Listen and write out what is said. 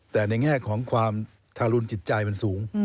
แต่ในแง่ของความทารุณจิตใจมันสูง